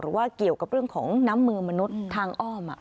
เกี่ยวกับเรื่องของน้ำมือมนุษย์ทางอ้อม